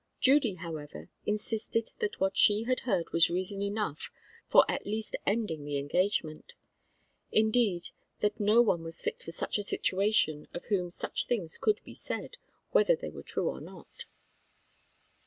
Judy, however, insisted that what she had heard was reason enough for at least ending the engagement; indeed, that no one was fit for such a situation of whom such things could be said, whether they were true or not.